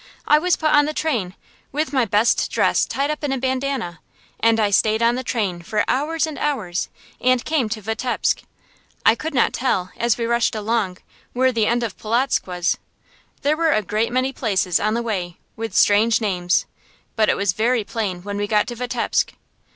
I was put on the train, with my best dress tied up in a bandana, and I stayed on the train for hours and hours, and came to Vitebsk. I could not tell, as we rushed along, where the end of Polotzk was. There were a great many places on the way, with strange names, but it was very plain when we got to Vitebsk.